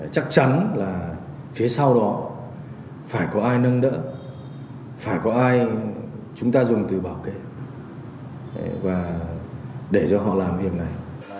chắc chắn là phía sau đó phải có ai nâng đỡ phải có ai chúng ta dùng từ bảo vệ và để cho họ làm hiệp này